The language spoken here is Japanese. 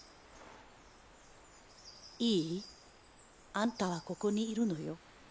いい？あんたはここにいるのよ。